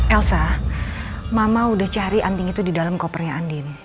elsa mama udah cari anting itu di dalam kopernya andin